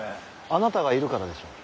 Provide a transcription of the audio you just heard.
あなたがいるからでしょう。